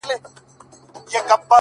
مي تاته شعر ليكه!